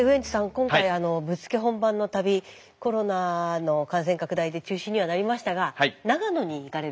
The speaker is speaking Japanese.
今回ぶっつけ本番の旅コロナの感染拡大で中止にはなりましたがはい。